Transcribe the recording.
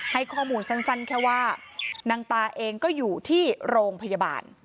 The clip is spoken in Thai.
ให้ข้อมูลสั้นแค่ว่านางตาเองก็อยู่ที่โรงพยาบาล